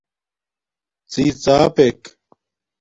ڎی ڎاپک